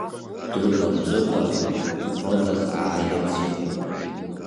Дук мырҵыкәа, хә-ротак ааирц иҟоуп.